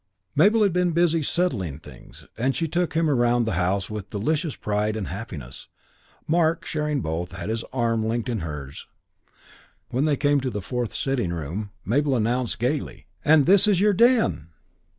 Mabel had been busy "settling things", and she took him round the house with delicious pride and happiness. Mark, sharing both, had his arm linked in hers. When they came to the fourth sitting room Mabel announced gaily, "And this is your den!"